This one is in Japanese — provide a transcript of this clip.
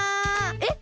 えっ？